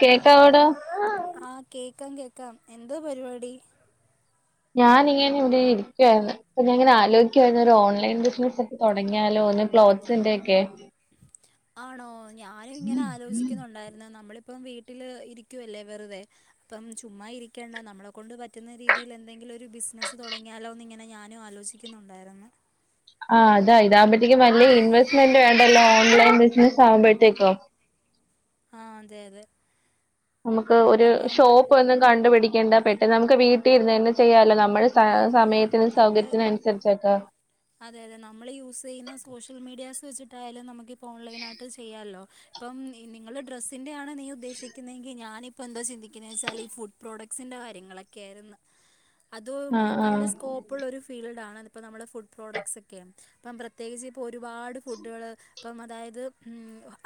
കേക്കാവടോ? ആഹ് കേക്കാം കേക്കാം എന്തോ പരിപാടി? ഞാനിങ്ങനെ ഇവിടെ ഇരിക്കുവായിരുന്നു. അപ്പൊ ഞാ ഇങ്ങനെ ആലോയിക്കായിരുന്നു ഒരു ഓൺലൈൻ ബിസിനസ്സ് തുടങ്ങിയാലോ ഒന്ന് ക്ലോത് സിന്റെ ഒക്കെ ആണോ ഞാനും ഇങ്ങനെ ആലോചിക്കുന്നുണ്ടായിരുന്നു നമ്മളിപ്പം വീട്ടില് ഇരിക്കുവല്ലേ വെറുതെ അപ്പം ചുമ്മാ ഇരിക്കണ്ട നമ്മളെ കൊണ്ട് പറ്റുന്ന രീതിയിൽ എന്തെങ്കിലും ഒരു ബിസിനസ്സ് തുടങ്ങിയാലോ എന്ന് ഇങ്ങനെ ഞാനും ആലോചിക് ക്കുന്നുണ്ടായിരുന്നു. ആഹ് ഇതാകുമ്പഴത്തേക്കും നല്ല ഇൻവെസ്റ്റ്മെന്റ് വേണ്ടല്ലോ ഓൺലൈൻ ബിസിനസ് ആവുമ്പോയ്ത്തേക്കും ആഹ് അതെ അതെ നമുക്ക് ഒരു അപ്പം ഷോപ്പ് ഒന്നും കണ്ടുപിടിക്കേണ്ട പെട്ടൊന്ന് നമുക്ക് വീട്ടീ ഇരുന്ന് തന്നെ ചെയ്യാലോ നമ്മള് ച്ച ആഹ് സമയത്തിനും നമ്മള് സൗകര്യത്തിനും അനുസരിച്ചൊക്കെ. അതെ അതെ നമ്മള് യൂസ് ചെയ്യുന്ന സോഷ്യൽ മീഡിയാസ് വെച്ചിട്ടായാലും നമുക്കിപ്പോ ഓൺലൈൻ ആയിട്ട് ചെയ്യാലോ ഇപ്പം നിങ്ങള് ഡ്രസ്സിന്റെ ആണ് നീ ഉദ്ദേശിക്കുന്നെങ്കി ഞാനിപ്പോൾ എന്താ ചിന്തിക്കുന്ന വെച്ചാല് ഈ ഫുഡ് പ്രോഡക്സിന്റെ കാര്യങ്ങളൊക്കെ ആയിരുന്നു. അതും ആ ആ നല്ല സ്കോപ്പ് പ്പുള്ളൊരു ഫീൽഡാണ് ഇപ്പം നമ്മള് ഫുഡ് പ്രൊഡക്സ്ഒക്കെ അപ്പം പ്രത്യേകിച്ച് ഇപ്പൊ ഒരുപാട് ഫുഡുകള് ഇപ്പം അതായത്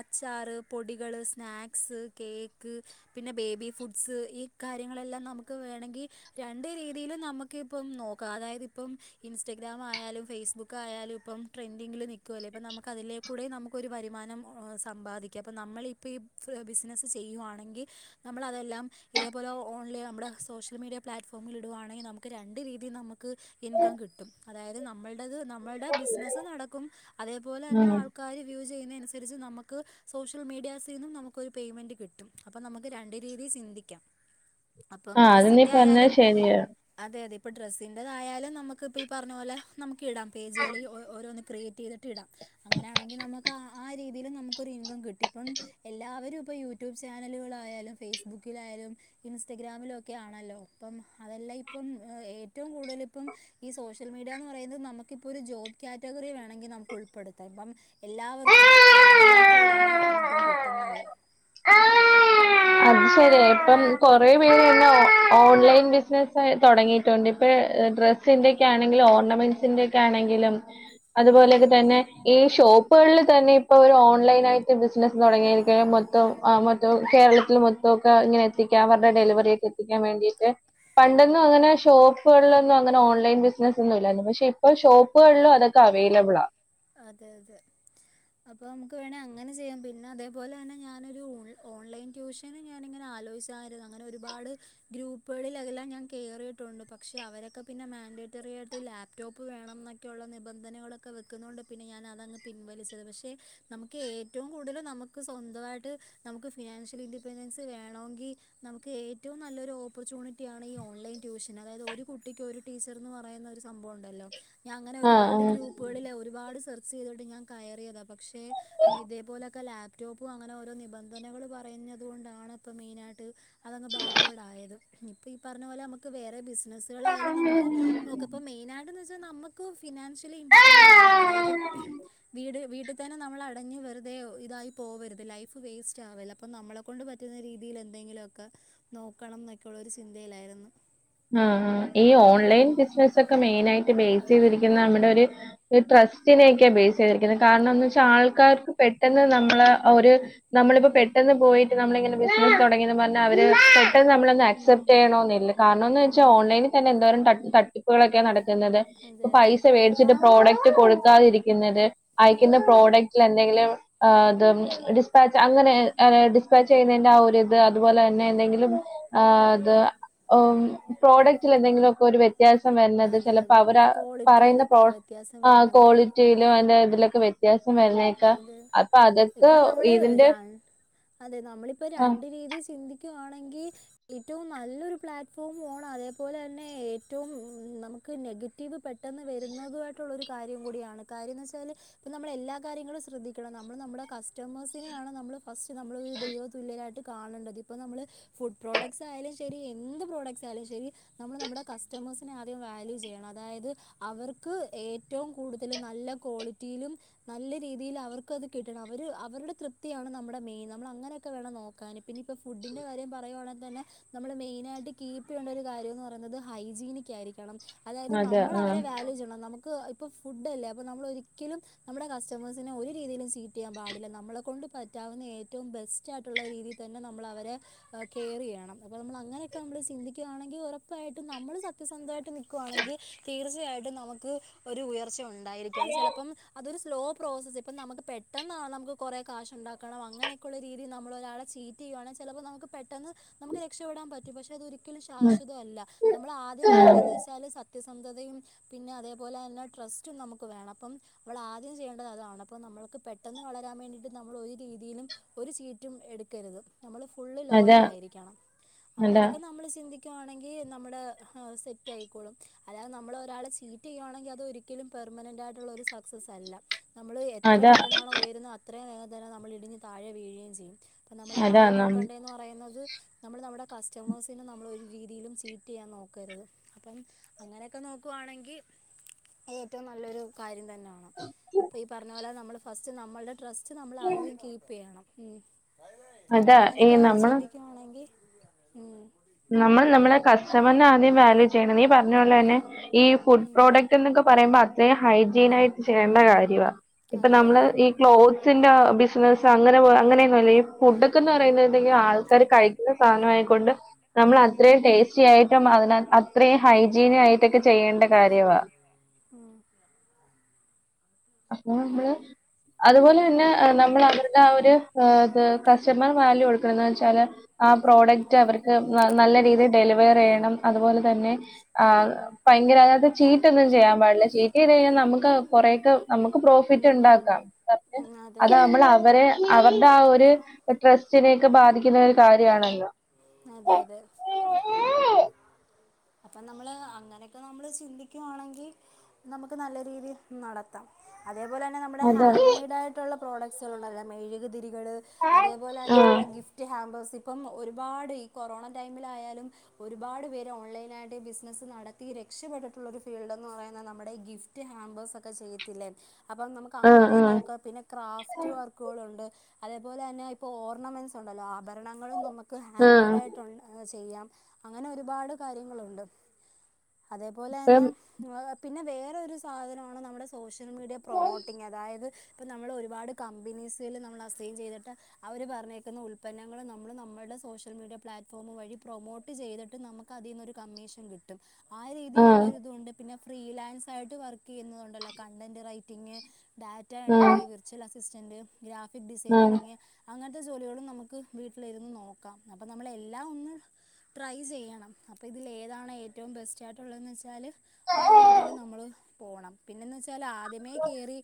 അച്ചാറ്, പൊടികള്, സ്നാക്സ്, കേക്ക് പിന്നെ ബേബി ഫുഡ്സ് ഈ കാര്യങ്ങളെല്ലാം നമുക്ക് വേണങ്കി രണ്ട് രീതീലും നമുക് ക്ക് ഇപ്പം നോക്കാം അതായത് ഇപ്പം ഇൻസ്റ്റാഗ്രാം ആയാലും ഫേസ്ബുക്ക് ആയാലും ഇപ്പം ട്രെൻറ്റിംഗിൽ നി ക്കൂഅല്ലേ അപ്പം നമുക്ക് അതിലേക്കൂടെ നമുക്കൊര വരുമാനം സമ്പാദിക്കാം അപ്പം നമ്മളിപ്പ ഈ ബിസിനസ്സ് ചെയ്യുവായാണെങ്കി നമ്മളതെല്ലാം ഇതേപോലെ ഓൺലൈ നമ്മുടെ സോഷ്യൽ മീഡിയ പ്ലാറ്റ്ഫോമിലിടുവാണെങ്കി നമുക്ക് രണ്ട് രീതീ നമുക്ക് ഇൻകം കിട്ടും അതായത് നമ്മൾ ത് നമ്മുടെ ബിസിനസ് നടക്കും അതേപോലെ ആ തന്നെ ആൾ ക്കാര് വ്യൂ ചെയ്യുന്നതിനനുസരിച്ച് നമുക്ക് സോഷ്യൽമീഡിയാസീന്നും നമുക്കൊരു പേയ്മെന്റ് കിട്ടും. അപ്പം നമുക്ക് രണ്ടു രീതി സിന്തിക്കാം ആഹ് അത് നീ പറഞ്ഞത് ശരിയാ അതെ അതെ ഇപ്പൊ ഡ്രസ്സിൻന്റെതായാലും നമുക്ക് ഇപ്പ ഈ പറഞ്ഞപോലെ നമുക്ക് ഇടാം പേജുകളിൽ ഓ ഓരോന്ന് ക്രിയേറ്റ് ചെയ്തിട്ട് ഇടാം. അങ്ങനെയാണെങ്കി നമുക്ക് ആആ രീതീലും നമുക്കൊരു ഇൻകം കിട്ടി ഇപ്പം എല്ലാവരും ഇപ്പൊ യൂട്യൂബ് ചാനലുകളായാലും ഫേസ്ബുക്കിലായാലും ഇൻസ്റ്റഗ്രാമിലൊക്കെ ആണല്ലോ ഇപ്പം അതെല്ലാം ഇപ്പം ഏറ്റവും കൂടുതലിപ്പം ഈ സോഷ്യൽ മീഡിയാന്ന് പറയുന്നത് നമുക്കിപ്പോ ഒരു ജോബ് കാറ്റഗറി വേണെങ്കി നമുക്ക് ഉൾപ്പെടുത്താം ഇപ്പം എല്ലാവർക്കും ഇപ്പം അതിനാത്തൂടാണ് ഇൻകം കിട്ടുന്നത്. അത് അപ്പം ശരിയാ ഇപ്പം അങ്ങനെയൊക്കെ നോക്കാം കൊറ പേരന്നെ ഓൺ ഓൺലൈൻ ബിസിന തുടങ്ങിയിട്ടുണ്ട് ഇപ്പൊ ഡ്രസ്സിന്റൊക്കെ ആണെങ്കിലും ഓർണമെൻസിന്റെ ക്ക്യാണെങ്കിലും അതുപോലൊക്കെ തന്നെ ഈ ഷോപ്പുകളിൽ തന്നെ ഇപ്പൊ ഒരു ഓൺലൈൻ ആയിട്ട് ബിസിനസ്സ് തുടങ്ങിയിരിക്കാ മൊത്തം മൊത്തം കേരളത്തി ലും മൊത്തൊക്കെ ഇങ്ങനെ എത്തിക്കാം പർഞ്ഞിട്ട് ഡെലിവറിയൊക്കെ എത്തിക്കാൻ വേണ്ടീട്ട് പണ്ടൊന്നും അങ്ങനെ ഷോപ്പുകളിലൊന്നും അങ്ങനെ ഓൺലൈൻ ബിസിനസ്സ് ഒന്നും ഇല്ലായിരുന്നു. പക്ഷെ ഇപ്പൊ ഷോപ് പ്പുകളിലും അതൊക്കെ അവൈലബ്ളാ അതെ അതെ അപ്പൊ നമുക്ക് വേണെ അങ്ങനെ ചെയ്യാം. പിന്നെ അതേപോലെ തന്നെ ഞാനൊരു ഓൺലൈൻ ട്യൂഷൻ [unintelligible] ഞാനിങ്ങനെ ആലോചിച്ചാരുന്നു അങ്ങനെ ഒരുപാട് ഗ്രൂപ്പുകളിതിലെല്ല കേറിയിട്ടുണ്ട്. പക്ഷെ അവരൊക്കെ പിന്നെ മാൻഡേറ്ററി ആയിട്ട് ലാ പ്ടോപ്പ് വേണം എന്നൊക്കെയുള്ള നിബന്ധനളൊക്കെ വെ ക്കുന്നൊണ്ട് പിന്നെ ഞാൻ അതങ്ങ് പിൻവലിച്ചത്. പക്ഷെ നമുക്ക് ഏറ്റവും കൂടുതൽ നമുക്ക് സ്വന്തമായിട്ട്, നമുക്ക് ഫിനാൻഷ്യൽ ഇൻഡിപെൻഡൻസ് വേണോങ്കി നമുക്ക് ഏറ്റവും നല്ലൊരു ഓപ്പർച്യണിറ്റിയാണ് ഈ ഓൺലൈൻ ട്യൂഷൻ. അതായത് ഒരു കുട്ടിക്ക് ഒരു ടീച്ചർന്ന് പറയുന്ന ഒരു സംഭവം ഉണ്ടല്ലോ. ഞാൻ അങ്ങനെ ആഹ് ഒരുപാട് ആഹ് ഗ്രൂപ്പുകളിൽ ഒരുപാട് സെർച്ച് ചെയ്തിട്ട് ഞാൻ കയറിയതാ. പക്ഷെ ഇതേപോലെക്കെ ലാ പ്ടോപ്പും അങ്ങനെ ഓരോ നിബന്ധനകൾ പറഞ്ഞതു കൊണ്ടാണ് ഇപ്പം മെയിനായിട്ട് അതങ്ങ് ബാക്ക്വേഡ് ആയത്. ഇപ്പൊ ഈ പറഞ്ഞ പോലെ നമുക്ക് വേറെ ആ ബിസിനസ്സുകളായാലും നമുക്ക് നോക്ക. ഇപ്പ മെയിനായിട്ട് നമുക്ക് ഫിനാൻഷ്യലി ഇൻഡിപെൻഡന്റ് ആവണം. അതായത് വീട് വീട്ടിൽ തന്നെ നമ്മൾ അടഞ്ഞ് വെറുതെ ഇതായി പോകരുത്. ലൈഫ് വേസ്റ്റ് ആവില്ല അപ്പ നമ്മള ളെകൊണ്ട് പറ്റുന്ന രീതിയിൽ എന്തെങ്കിലുമക്ക നോക്കണം എന്നൊക്കെയള്ള ഒരു ചിന്തയിലായിരുന്നു. ആആ ഈ ഉം ഓൺലൈൻ ബിസിനസ ഒക്കെ മെയിൻ ആയിട്ട് ബേസ് ചെയ്തിരിക്കുന്ന നമ്മുടെ ഒരു ട്രസ്റ്റിനെയൊക്കെയാ ബേസ് ചെയ്തിരിക്കുന്നത്. കാരണംന്ന് വെച്ചാൽ ആൾക്കാർക്ക് പെട്ടെന്ന് നമ്മള് ഒരു നമ്മളിപ്പോ പെട്ടെന്ന് പോയിട്ട്, നമ്മള ഇങ്ങനെ ബിസിനസ് തുടങ്ങിയന്ന് പറഞ്ഞാൽ അവര് പെട്ടെന്ന് നമ്മള ഉം ഉം ആക്സെപ്റ്റ് ചെയ്യണോന്നില്ല. കാരണംന്ന് വെച്ചാൽ ഉം ഓൺലൈനിൽ തന്നെ എന്തോരം തട് തട്ടിപ്പുകളൊക്കെ നട ക്കുന്നത്. അതെ ഇപ്പ അതെ പൈസ മേടിച്ചിട്ട് പ്രോഡക്റ്റ് കൊടുക്കാതിരിക്കുന്നത്. അയക്കുന്ന ഉം പ്രോഡക്റ്റിൽ എന്തെങ്കിലും, ഏഹ് അത് ഡിസ്പാച്ച് അങ്ങനെ ഡിസ്പാച്ച് ചെയ്യുന്നതിന്റെ ആ ഒരു ത് അതുപോലെ തന്നെ, ഉം എന്തെങ്കിലും ഏഹ് ത് പ്രോഡക്റ്റ എന്തെങ്കിലുംക്കെ ഒരു വ്യ ത്യാസം വരുന്നത് അതെ ചിലപ്പോ അതെ അവരാ പറയുന്ന ക്വാളിറ്റിയിലൊക്കെ പ്രോ വ്യത്യാസം ആ വരുന്നത് ക്വാളി റ്റിലും അതിന്റെ ഇതിലൊക്കെ വ്യത്യാസം വരുന്നേക്കാ, അത് അപ്പൊ അതൊക്കെ ഇപ്പം നമ്മൾ ഇതിന്റെ അതെ നമ്മളിപ്പോ ആ രണ്ടു രീതി ചിന്തിക്കുവാണെങ്കി ഏറ്റവും നല്ലൊരു പ്ലാറ്റ്ഫോം [unintelligible] അതേപോലെ തന്നെ ഏറ്റവും നമുക്ക് നെഗറ്റീ വ് പെട്ടെന്ന് വരുന്നതുമായിട്ടുള്ള ഒരു കാര്യം കൂടിയാണ്. കാര്യ ന്ന് വെച്ചാല് ഇപ്പ നമ്മള് എല്ലാ കാര്യങ്ങള് ശ്രദ്ധിക്കണം. നമ്മൾ നമ്മുടെ കസ്റ്റമേഴ്സിനെയാണ് നമ്മള് ഫസ്റ്റ് നമ്മള് ഒരു ദൈവ തുല്യരായിട്ട് കാണേണ്ടത്. ഇപ്പ നമ്മള് ഫുഡ് പ്രോഡക്ട്സ് ആയാലും ശരി, എന്ത് പ്രോഡക്ട്സ് ആയാലും ശരി, നമ്മൾ നമ്മുടെ കസ്റ്റമേഴ്സിനെ ആദ്യം വാല്യൂ ചെയ്യണം. അതായത് അവർക്ക് ഏറ്റവും കൂടുതൽ നല്ല ക്വാളിറ്റിയിലും, നല്ല രീതിയിൽ അവർക്ക്ത് കിട്ടണം. അവർ അവരുടെ തൃപ്തിയാണ് നമ്മുടെ മെയിൻ. നമ്മൾ അങ്ങനെയൊക്കെ വേണം നോക്ക [unintelligible] പിന്നെ ഇപ്പോൾ ഫുഡിൻ്റെ കാര്യം പറയുവാണെങ്ക തന്നെ, നമ്മള് മെയിന ആയിട്ട് കീപ്പ് ചെയ്യേണ്ട ഒരു കാര്യം എന്ന് പറയുന്നത് ഹൈജീനിക് ആയിരിക്കണം. അതായത് അതെ നമ്മൾ ആ അവരെ വാല്യൂ ചെയ്യണം. നമുക്ക് ഇപ്പൊ ഫുഡ് അല്ലേ, അപ്പൊ നമ്മൾ ഒരിക്കലും നമ്മുടെ കസ്റ്റമേഴ്സിനെ ഒരു രീതിയിലും ചീറ്റ് ചെയ്യാൻ പാടില്ല. നമ്മളെ കൊണ്ട് പറ്റാവുന്ന ഏറ്റവും ബെസ്റ്റ് റ്റായിട്ടുള്ള രീതിയിൽ തന്നെ നമ്മളവരെ കെയർ ചെയ്യണം. അപ്പൊ നമ്മൾ അങ്ങനെയൊക്കെ നമ്മൾ ചിന്തിക്കുകയാണെങ്കിൽ, ഉറപ്പായിട്ടും നമ്മള് സത്യസന്ധമായിട്ട് നിക്കുയാണെങ്കിൽ തീർച്ചയായിട്ടും നമുക്ക് ഒരു ഉയർച്ച ഉണ്ടായിരിക്കാം. അത് ചിലപ്പോം അതൊരു സ്‌ലോ പ്രോസസ്. ഇപ്പം നമുക്ക് പെട്ടെന്ന നമുക്ക് കുറേ കാശ് ഉണ്ടാക്കണം അങ്ങനെയൊക്കെയുള്ള രീതിയിൽ നമ്മള ഒരാളെ ചീറ്റ [unintelligible] ചിലപ്പോ നമുക്ക് പെട്ടെന്ന് നമുക്ക് രക്ഷപ്പെടാൻ പറ്റും. പക്ഷെ അത് ഒരി ക്കലും ശാശ്വതല്ല. നമ്മൾ ആദ്യം വേണ്ടതന്ന് വെച്ചാല് സത്യസന്ധതയും പിന്നെ അതേപോലെ തന്നെ ട്രസ്റ്റും നമുക്ക് വേണം. അപ്പം നമ്മളാദ്യം ചെയ്യേണ്ടത് അതാണ്. അപ്പൾ നമ്മൾക്ക് പെട്ടെന്ന് വളരാൻ വേണ്ടിയിട്ട്, നമ്മൾ ഒരു രീതിയിലും ഒരു ചീറ്റും എടുക്കരുത്. നമ്മള് ഫുള്ള് അതാ ലോയലായിരിക്കണം. അതാ അങ്ങനെയൊക്കെ നമ്മള് ചിന്തിക്ക ക്കാണെങ്കി നമ്മട സെറ്റ് ആയിക്കോളും. അതായത് നമ്മള ഒരാളെ ചീറ്റ് ചെയ്യുവാണെങ്കി അതൊരിക ലും പെർമനന്റ് ആയിട്ടുള്ള ഒരു സക്സസ് അല്ല. നമ്മള് എത്ര അതാ പെട്ടെന്നാണോ ഉയരുന്നത് അ ത്രയും വേഗം തന്നെ നമ്മൾ ഇടിഞ്ഞ് താഴെ വീഴുകയും ചെയ്യും. അപ്പൊ നമ്മൾ അതാ ആദ്യം നം നോക്കേണ്ടന്ന് പറയുന്നത് നമ്മള് നമ്മടെ കസ്റ്റമേഴ്സിനെ നമ്മളൊ ഒരു രീതിയിലും ചീറ്റ് ചെയ്യാൻ നോക്കരുത്. അപ്പം അങ്ങനെയൊക്കെ നോക്കുവാണെങ്കിൽ, ഏറ്റവും നല്ലൊരു കാര്യം തന്നെ ഇപ്പൊ ഈ പറഞ്ഞ പോലെ നമ്മള് ഫസ്റ്റ് നമ്മൾടെ ട്രസ്റ്റ് നമ്മൾ ആദ്യം കീപ്പ് ചെയ്യണം. മം അതാ ഈ അങ്ങനെയൊക്കെ നമ്മള് ചിന്തിക്കുവാണെങ്കിൽ മം നമ്മൾ നമ്മളെ കസ്റ്റമറിനെ ആദ്യം വാല്യൂ ചെയ്യണം. ഈ പറഞ്ഞ പോലെ തന്നെ, ഈ ഫുഡ് ഉം പ്രോഡക്റ്റ് എന്നൊക്കെ പറയുമ്പോ അത്രേം ഹൈജീൻ ആയിട്ട് ചെയ്യണ്ട കാര്യവാ. ഇപ്പൊ അതെ നമ്മള് അതെ ഈ ക്ലോത്ത്സിന്റെ ബിസിനസ്സ് അങ്ങനെ അങ്ങനെയൊന്നുംല്ല ഈ ഫുഡൊക്കെ എന്ന് പറയുന്നുണ്ടെങ്കിൽ ആൾക്കാര് കഴിക്കുന്ന സാധനയെക്കൊണ്ട് നമ്മൾ അത്രയും ടേസ്റ്റിയായിട്ടും, അതിനെ അത്രയും ഹൈജീനും ആയിട്ടൊക്കെ ചെയ്യേണ്ട കാര്യവാ ആഹ്. അപ്പോ നമ്മള്, അതുപോലെ തന്നെ നമ്മൾ അവര് ആ ഒര് ഏഹ് ഇത് കസ്റ്റമർ വാല്യൂ കൊടുക്കണം വെച്ചാല് ആ പ്രോഡക്റ്റ് അവർക്ക് നല്ല രീതിയിൽ ഡെലിവർ ചെയ്യണം. അതുപോലെ തന്നെ ആ ഉം ഭയങ്കര അതിനകത്ത് ചീറ്റൊന്നും ചെയ്യാൻ പാടില്ല. ചീറ്റ ചെയ്ത് കഴിഞ്ഞാൽ നമുക്ക് കൊറെക്കെ നമുക്ക് പ്രോഫിറ്റ് ഉം ഉം ഇണ്ടാക്കാം. ഉം [unintelligible] അതെ അത് അതെ നമ്മൾ അവരെ അവർടെ ആ ഒരു ട്രസ്റ്റിനെയോക്കെ ബാധിക്കുന്ന ഒരു കാര്യവാണല്ലോ. അതെ അതെ. [unintelligible] അപ്പം നമ്മള് അങ്ങനെയൊക്കെ നമ്മള് ചിന്തിക്കുവാണെങ്കിൽ, നമുക്ക് നല്ല രീതിൽ നട ത്താം അതേപോലെ തന്നെ നമ്മടെ അതെ ഹാൻഡ്മെയ്ഡ് ആയിട്ടുള്ള പ്രോഡക്സുകളുണ്ടല്ലോ മെഴുക് തിരി കള് അതേപോലെ തന്നെ നമ്മുടെ ഗിഫ്റ്റ് ഹമ്പേഴ്സ് ഇപ്പം ഒരുപാട് ഈ കൊറോണ ടൈമിലായാലും ഒരുപാട് പേര് ഓൺലൈൻ തിനായിട്ട് ബിസിനസ്സ് നടത്തി രക്ഷപ്പെട്ടുള്ളൊരു ഫീൽഡ്ന്ന് പറയുന്നത് നമ്മുടെ ഈ ഗിഫ്റ്റ് ഹാമ്പേഴ്സ് ഒക്കെ ചെയ്യത്തില്ലേ? അപ്പം നമുക്ക് ആഹ് ആഹ് അങ്ങനെ ആഹ് നോക്കാ. പിന്നെ ക്രാഫ്റ്റ് വർക്ക് ക്കുകളുണ്ട്. അതേപോലെ തന്നെ ഇപ്പൊ ഓർണമെന്റ്സ് ഉണ്ടല്ലോ ആഭരണങ്ങളും നമുക്ക് ഹാൻഡ് ആഹ് മെയ്ഡായിട്ട് [unintelligible] ചെയ്യാം അങ്ങനെ ഒരുപാട് കാര്യങ്ങളുണ്ട്. അതേപോലെ ഇപ്പം തന്നെ പിന്നെ വേറൊരു സാധനവാണ്. നമ്മുടെ സോഷ്യൽ മീഡിയ പ്രൊമോട്ടിങ് അതായത് ഇപ്പോം നമ്മൾ ഒരുപാട് കമ്പനീസില് നമ്മൾ അസൈൻ ചെയ്തിട്ട് അവര് പറഞ്ഞേക്കുന്ന ഉൽപ്പന്നങ്ങൾ നമ്മൾ നമ്മളുടെ സോഷ്യൽ മീഡിയ പ്ലാറ്റ്ഫോം വഴി പ്രൊമോട്ട് ചെയ്തിട്ട് നമുക്ക് അതിൽന്നൊരു കമ്മീഷൻ കിട്ടും. ആ രീതിയിലുള്ള ആഹ് ഒരിതുണ്ട് പിന്നെ ഫ്രീലാൻസ് ആയിട്ട് വർക്ക് ചെയ്യുന്നതുണ്ടല്ലോ? കണ്ടന്റ് റൈറ്റിംങ്‌, ഡാറ്റ എൻട്രി ആഹ് വിർച്വൽ അസിസ്റ്റന്റ്, ഗ്രാഫിക് ഡിസൈൻ ആഹ് തുടങ്ങിയ അങ്ങനത്തെ ജോലികളും നമുക്ക് വീട്ടിലിരുന്ന് നോക്കാം. അപ്പം നമ്മള് എല്ലാം ഒന്ന് ട്രൈ ചെയ്യണം അപ്പ ഇതില് ഏതാണ് ഏറ്റവും ബെസ്റ്റായിട്ടുള്ളതെന്ന് വെച്ചാൽ, ആ രീതിയിൽ നമ്മള് പോകണം. പിന്നെന്ന് വച്ചല് [unintelligible] ആദ്യമേ കയറി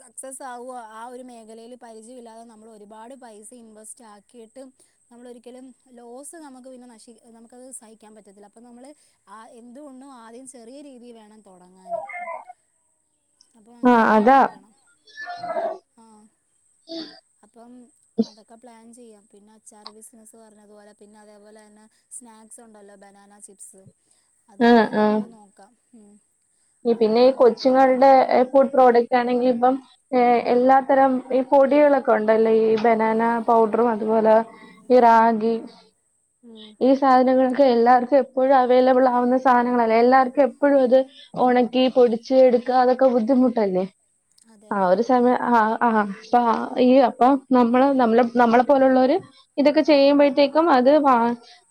സക്സസ് ആവുവോ. ആ ഒരു മേഖലയിൽ പരിചയവില്ലാതെ നമ്മൾ ഒരുപാട് പൈസ ഇൻവെസ്റ്റ് ആക്കിയിട്ട് നമ്മൾ ഒരിക്കലും ലോസ് നമുക്ക് പിന്നെ നശി നമുക്കത് സഹി ക്കാൻ പറ്റത്തില്ല. അപ്പൊ നമ്മള് ആ എന്തുകൊണ്ടും ആദ്യം ചെറിയ രീതിൽ വേണം തുടങ്ങാൻ. [inaudible] അപ്പം ആഹ് അങ്ങനെയൊക്കെ അതാ നോക്കണം. ആഹ്... അപ്പം അതൊക്കെ പ്ലാൻ ചെയ്യാം. പിന്നെ അച്ചാർ ബിസിനസ്സ് പറഞ്ഞതുപോലെ പിന്നെ അതേപോലെ തന്നെ സ്നാക്സ് ഉണ്ടല്ലോ? Banana chips. ആഹ് അതിന്റേം ആഹ് നമുക്ക് നോക്കാം. പിന്നെ അങ്ങനെ ഈ കൊച്ചുങ്ങള്ടെ ഫുഡ് പ്രോഡക്റ്റ് ആണെങ്കിൽ ഇപ്പം ഏഹ് എല്ലാത്തരം ഈ പൊടികളൊക്കെ ഉണ്ടല്ലേ? ഈ ബനാന പൗഡറും, അതുപോലെ ഈ ഉം രാഗി ഉം ഉം ഈ സാധനങ്ങളൊക്കെ എല്ലാവർക്കും എപ്പോഴും അവൈലബിൾ ആവുന്ന സാധനങ്ങളല്ലേ. എല്ലാവർക്കും എപ്പോഴും അത് ഒണക്കി പൊടിച്ച് എടുക്ക അതൊക്കെ ബുദ്ധിമുട്ടല്ലേ? അതെ ആ അതെ ഒരു സമയം ആ ആ അപ്പ ഈ അപ്പൊ നമ്മള് നമ്മ നമ്മളെ പോലെയുള്ളവര് ഇതൊക്കെ ചെയ്യുമ്പോഴത്തേക്കും അത് വ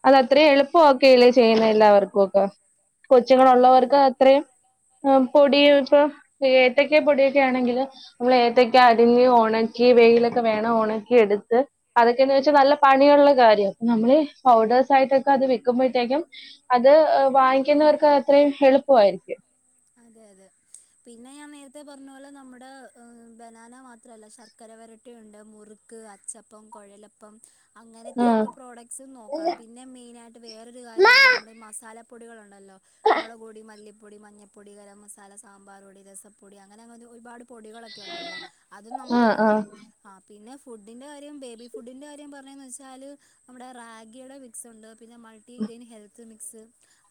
അത് അത്രയും എളുപ്പൊക്കെയില്ലേ ചെയ്യുന്ന എല്ലാവർക്കും ഒക്കെ ആ അതെ കൊച്ചുങ്ങളുള്ളവർക്ക് അതെ അത്രയും പൊടി ഇപ്പൊ ഏത്തക്ക പൊടിയൊക്കെ ആണെങ്കിൽ നമ്മള ഏത്തക്ക അരിഞ്ഞ് ഉണക്കി വെയിലൊക്കെ വേണം ഉണക്കി എടുത്ത് അതൊക്കെന്ന് വെച്ചാൽ നല്ല പണിയുള്ള കാര്യം അ നമ്മള് പൗഡേഴ്സ ആയിട്ടൊക്കെ അത് വിൽക്കുമ്പോഴത്തേക്കും അത് വാങ്ങിക്കുന്നവർക്ക് അത്രയും എളുപ്പമായിരിക്കും അതെ അതെ പിന്നെ ഞാൻ നേരത്തെ പറഞ്ഞ പോലെ നമ്മുടെ ബനാന മാത്രല്ല ശർക്കര വരട്ടിയുണ്ട് മുറു ക്ക് അച്ചപ്പം കുഴലപ്പം അങ്ങനത്തെ ഒക്കെ പ്രോഡക്ട്സും നോക്കാം പിന്നെ മെയിന് ആയിട്ട് വേറൊരു കാര്യമാണ് നമ്മുടെ മസാല പൊടികളുണ്ടല്ലോ മുളക് പൊടി മല്ലിപ്പൊടി മഞ്ഞ പൊടി ഗരം മസാല സാമ്പാർ പൊടി രസപ്പൊടി അങ്ങനെ അങ്ങനെ ഒരുപാട് പൊടികളൊക്കെ ണ്ടല്ലോ അതും ആ ആ നമുക്ക് ആ നോക്കാം ആ പിന്നെ ഫുഡിന്റെ കാര്യം ബേബി ഫുഡിന്റെ കാര്യം പറഞ്ഞന്ന് വെച്ചാല് നമ്മുടെ റാഗിയുടെ മിക്സ് പിന്നെ മൾട്ടി ഗ്രെയിൻ ഹെത്ത് മിക്സ്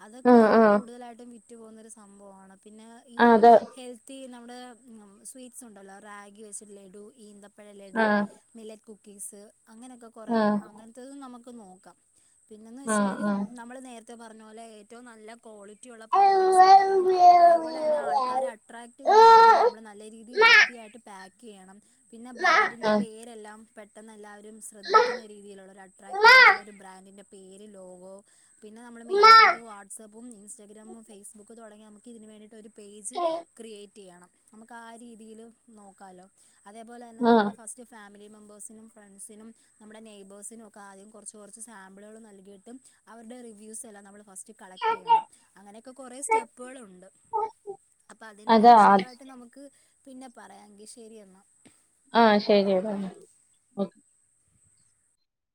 അതൊക്കെ ആഹ് ആഹ് ആഹ് കൂടുതലായിട്ടും വിറ്റുപോന്ന സംഭവമാണ് പിന്നെ ഈ അത് ഹെൽത്ത് തീ നമ്മുടെ സ്വീറ്റ്സ് ഉണ്ടല്ലോ റാഗി വെച്ചിട്ട് ലഡു ഈന്തപ്പഴ ലഡു ആഹ് മില്ലറ്റ് കുക്കീസ് അങ്ങനെയൊക്കെ കുറേ ആഹ് അങ്ങനത്തും നമുക്ക് നോക്കാം പിന്നന്ന് ആഹ് വെച്ചാല് ആഹ് നമ്മള് നേരത്തെ പറഞ്ഞ പോലെ ഏറ്റവും നല്ല ക്വാളിറ്റി ഉള്ള പ്രോഡക്ട്സ് ആയിരിക്കണം അതേപോലെ തന്നെ ആൾക്കാരെ അട്രാക്ട് ചെയ്യുന്ന രീതിൽ നമ്മള് നല്ല രീതി വൃത്തിയായിട്ട് പാക്ക് ചെയ്യണം പിന്നെ ബ്രാൻഡിന്റെ പേരെല്ലാം പെട്ടെന്നല്ല ശ്രദ്ധിക്കുന്ന രീതിയിലുള്ള അട്രാക്റ്റീവ് ആയിട്ടുള്ള ഒരു ബ്രാൻഡിന്റെ പേര് ലോഗോ പിന്നെ നമ്മൾ മെയിനായിട്ട് വാട്സാപ്പ് ഇൻസ്റ്റാഗ്രാമും ഫേസ്ബുക്ക് തുടങ്ങി നമുക്ക്തിന് വേണ്ടി ഒരു പേജ് ക്രിയേറ്റ് ചെയ്യണം നമുക്ക് ആ രീതിയിൽ നോക്കാലോ അതേപോലെ തന്നെ ആഹ് നമ്മുടെ ഫസ്റ്റ് ഫാമിലി മെമ്പേഴ്സിനും ഫ്രണ്ട്സിനും നമ്മുടെ നെയബേഴ്സിനുംൊക്കെ ആദ്യം കുറച്ച് കുറച്ച് സാമ്പിളുകൾ നൽകിയിട്ടും അവരുടെ റിവ്യൂസ് എല്ലാം നമ്മൾ ഫസ് റ്റ് കളക്ട് ചെയ്യണം അങ്ങനെയൊക്കെ കുറെ സ്റ്റെപ്പുകളുണ്ട് അപ്പൊ അതിനെല്ലാം അതാ വിശദമായിട്ട് നമുക്ക് പിന്നെ പറയാമെങ്കിൽ ശരി എന്നാൽ ആഹ് ഓക്കെ ശരിയതാണ്